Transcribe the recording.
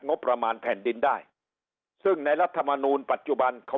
งบประมาณแผ่นดินได้ซึ่งในรัฐมนูลปัจจุบันเขา